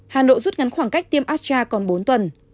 hà nội rút ngắn khoảng cách tiêm astra còn bốn tuần